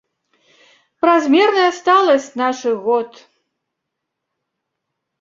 Празмерная сталасць нашых год!